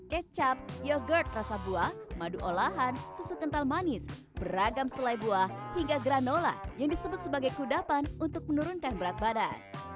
kecap yogurt rasa buah madu olahan susu kental manis beragam selai buah hingga granola yang disebut sebagai kudapan untuk menurunkan berat badan